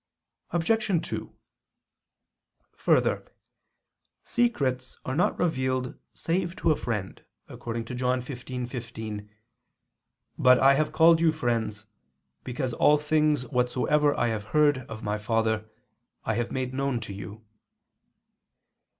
Obj. 2: Further, secrets are not revealed save to a friend, according to John 15:15, "But I have called you friends, because all things whatsoever I have heard of My Father, I have made known to you."